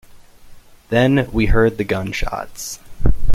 Then we heard the gunshots.